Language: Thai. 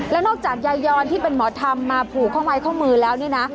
แล้วนอกจากยายยอนที่เป็นหมอธรรมมาผูกข้อไม้ข้อมือแล้วนี่นะ